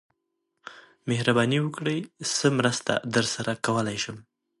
مهرباني وکړئ څه مرسته درسره کولای شم